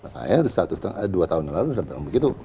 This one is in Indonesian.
saya dua tahun lalu sudah bilang begitu